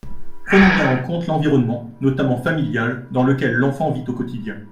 Prenons bien en compte l’environnement, notamment familial, dans lequel l’enfant vit au quotidien.